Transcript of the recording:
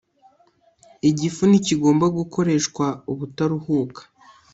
Igifu ntikigomba gukoreshwa ubutaruhuka